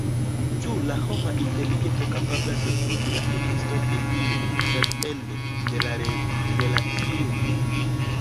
Ĉu la homa inteligento kapablas pruvi la ekziston de Dio sendepende de la Revelacio?